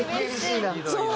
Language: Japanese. そう。